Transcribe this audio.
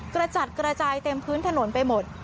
กระจัดกระจายเต็มพื้นถนนไปหมด